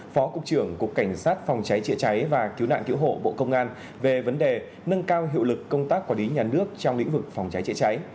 phó cục trưởng cục cảnh sát phòng cháy chữa cháy và cứu nạn cứu hộ bộ công an về vấn đề nâng cao hiệu lực công tác quản lý nhà nước trong lĩnh vực phòng cháy chữa cháy